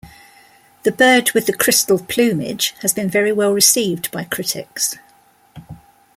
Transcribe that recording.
"The Bird with the Crystal Plumage" has been very well received by critics.